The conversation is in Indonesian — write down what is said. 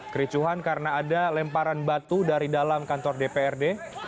kericuhan karena ada lemparan batu dari dalam kantor dprd